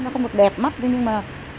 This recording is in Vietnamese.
nó không được đẹp mắt thế nhưng mà